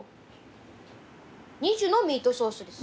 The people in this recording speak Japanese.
２種のミートソースです。